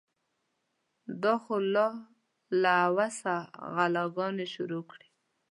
دا خو لا له اوسه غلاګانې شروع شوې.